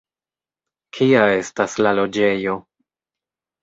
Kia estas la loĝejo?